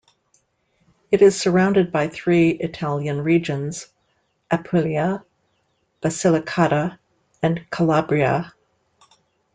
It is surrounded by three Italian regions, Apulia, Basilicata, and Calabria.